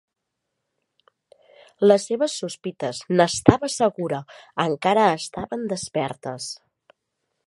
Les seves sospites, n'estava segura, encara estaven despertes.